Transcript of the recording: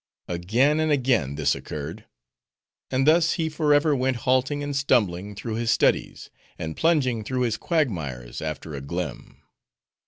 Again and again this occurred. And thus he forever went halting and stumbling through his studies, and plunging through his quagmires after a glim."